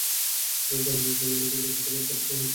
যুবক জানালেন, সেলুনে গিয়ে বেশি টাকায় দাড়ি কামানো তাঁর সাজে না।